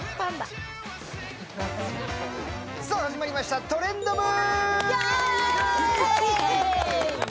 さあ始まりした、「トレンド部」。